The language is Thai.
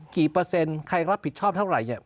กี่เปอร์เซ็นต์ใครรับผิดชอบเท่าไร